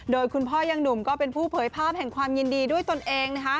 โดยคุณพ่อยังหนุ่มก็เป็นผู้เผยภาพแห่งความยินดีด้วยตนเองนะคะ